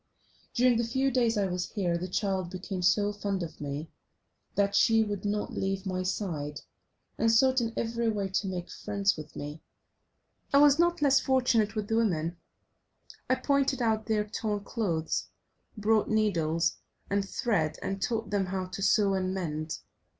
During the few days I was here the child became so fond of me that she would not leave my side, and sought in every way to make friends with me. I was not less fortunate with the women; I pointed out their torn clothes, brought needles, and thread, and taught them how to sew and mend.